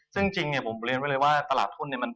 ซึ่งจริงเนี่ยผมเรียนไว้เลยว่าตลาดทุนเนี่ย